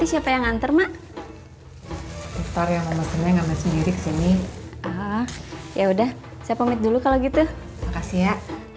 sampai jumpa di video selanjutnya